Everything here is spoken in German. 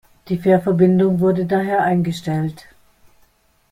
Die Fährverbindung wurde daher eingestellt.